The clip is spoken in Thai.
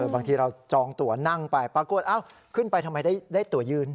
บางทีเราจองตัวนั่งไปปรากฏขึ้นไปทำไมได้ตัวยืน